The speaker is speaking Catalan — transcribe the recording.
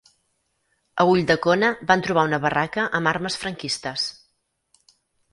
A Ulldecona van trobar una barraca amb armes franquistes.